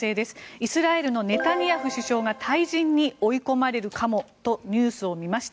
イスラエルのネタニヤフ首相が退陣に追い込まれるかもとニュースを見ました。